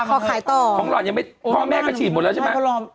พ่อแม่ก็ฉีดหมดแล้วใช่ไหม